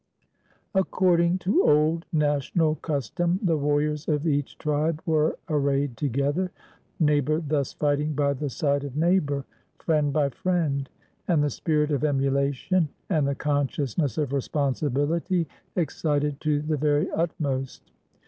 According to old national custom, the warriors of each tribe were arrayed together; neighbor thus fighting by the side of neighbor, friend by friend, and the spirit of emulation and the consciousness of responsibiUty excited to the very utmost.